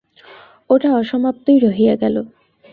ওটা অসমাপ্তই রহিয়া গেল।